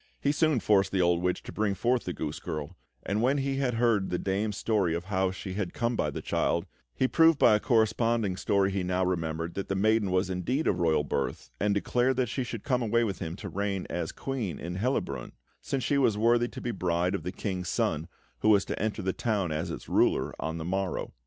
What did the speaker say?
He soon forced the old witch to bring forth the goose girl; and when he had heard the old dame's story of how she had come by the child, he proved by a corresponding story he now remembered that the maiden was indeed of royal birth, and declared that she should come away with him to reign as Queen in Hellabrunn, since she was worthy to be the bride of the King's Son, who was to enter the town as its ruler on the morrow.